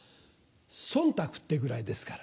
ソンタクってぐらいですから。